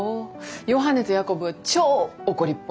ヨハネとヤコブは超怒りっぽい。